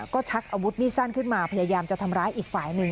ก็ชักอาวุธมีดสั้นขึ้นมาพยายามจะทำร้ายอีกฝ่ายหนึ่ง